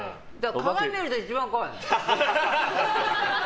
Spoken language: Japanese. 鏡見るのが一番怖い。